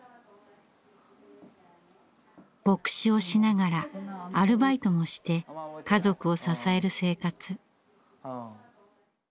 牧師をしながらアルバイトもして家族を支える生活。